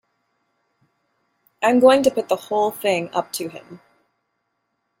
I'm going to put the whole thing up to him.